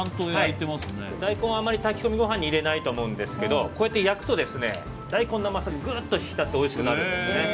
大根は炊き込みご飯に入れないと思うんですけどこうやって焼くと大根のうまさがぐっと引き立っておいしくなるんですね。